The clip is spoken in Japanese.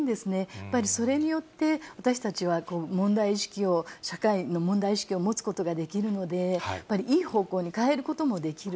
やっぱりそれによって、私たちは問題意識を、社会の問題意識を持つことができるので、やっぱりいい方向に変えることもできる。